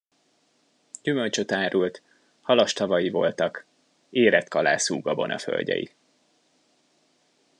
Gyümölcsöt árult, halastavai voltak, érett kalászú gabonaföldjei.